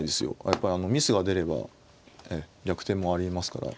やっぱりミスが出れば逆転もありえますから。